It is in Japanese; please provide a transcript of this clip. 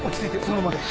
そのままで。